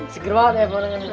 seger banget ya bu wanda